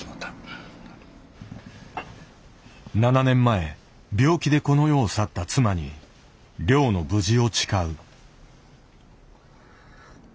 ７年前病気でこの世を去った妻に猟の無事を誓う。